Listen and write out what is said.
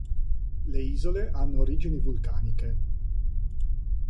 Le isole hanno origini vulcaniche.